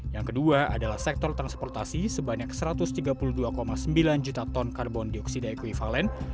yang kedua adalah sektor transportasi sebanyak satu ratus tiga puluh dua sembilan juta ton karbon dioksida ekvivalen